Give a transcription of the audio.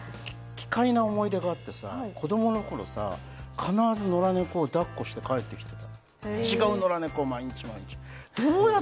俺ね、奇怪な思い出があって、子供の頃、必ず野良ネコを抱っこして帰ってきていた。